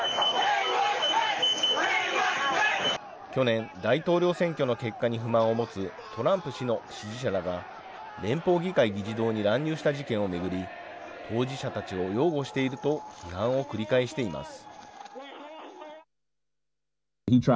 去年、大統領選挙の結果に不満を持つトランプ氏の支持者らが連邦議会議事堂に乱入した事件を巡り、当事者たちを擁護していると批判を繰り返しています。